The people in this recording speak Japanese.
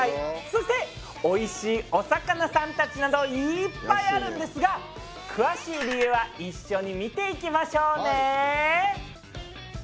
そしておいしいお魚さんたちなどいっぱいあるんですが詳しい理由は一緒に見ていきましょうね。